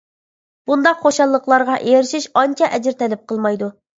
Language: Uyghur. بۇنداق خۇشاللىقلارغا ئېرىشىش ئانچە ئەجىر تەلەپ قىلمايدۇ.